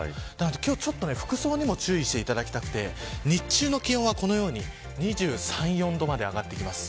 今日は服装にも注意していただきたくて日中の気温はこのように２３、２４度まで上がってきます。